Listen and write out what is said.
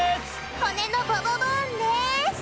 骨のボボボーンです！